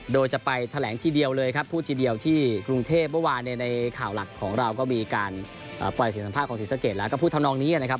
โดยจะไปแถลงทีเดียวเลยครับพูดทีเดียวที่กรุงเทพเมื่อวานในข่าวหลักของเราก็มีการปล่อยเสียงสัมภาษณ์ของศรีสะเกดแล้วก็พูดทำนองนี้นะครับ